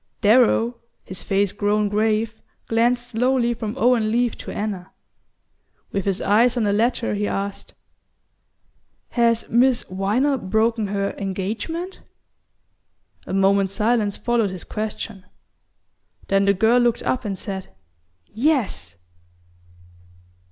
Darrow, his face grown grave, glanced slowly from Owen Leath to Anna. With his eyes on the latter he asked: "Has Miss Viner broken her engagement?" A moment's silence followed his question; then the girl looked up and said: "Yes!"